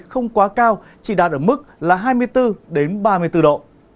không quá cao chỉ đạt ở mức là hai mươi bốn ba mươi bốn độ